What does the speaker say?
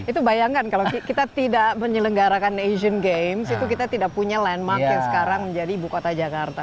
itu bayangkan kalau kita tidak menyelenggarakan asian games itu kita tidak punya landmark yang sekarang menjadi ibu kota jakarta